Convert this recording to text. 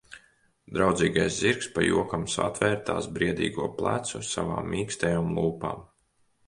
Draudzīgais zirgs pa jokam satvēra tās briedīgo plecu savām mīkstajām lūpām.